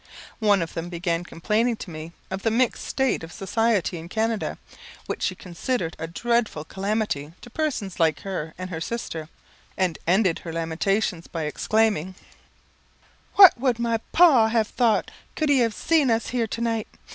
One of them began complaining to me of the mixed state of society in Canada, which she considered a dreadful calamity to persons like her and her sister; and ended her lamentations by exclaiming, "What would my pa have thought could he have seen us here to night?